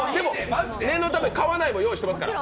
念のため買わないの札も用意していますから。